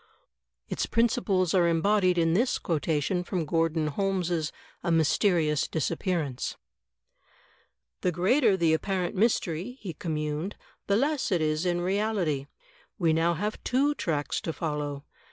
Its principles are embodied in this quotation from Grordon Holmes' "A Mysterious Disappearance:" "The greater the apparent mystery," he communed, "the less it is in reality. We now have two tracks to follow.